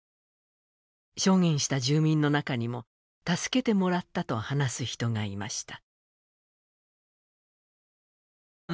証言した住民の中にも助けてもらったと話す人がいました。